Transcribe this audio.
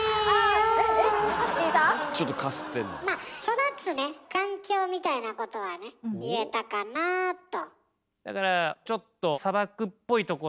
まあ育つね環境みたいなことはね言えたかなと。